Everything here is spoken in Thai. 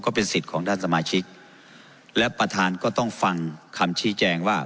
เป็นสิทธิ์ของท่านสมาชิกและประธานก็ต้องฟังคำชี้แจงว่า